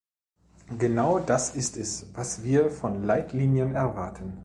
Genau das ist es, was wir von Leitlinien erwarten.